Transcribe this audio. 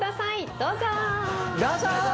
どうぞ！